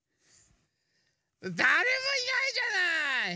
だれもいないじゃない！